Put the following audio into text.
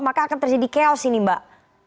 maka akan terjadi chaos ini mbak